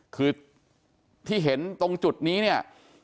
คือที่เห็นตรงจุดนี้เนี่ย